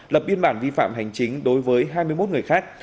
lập biên bản vi phạm hành chính đối với hai mươi một người khác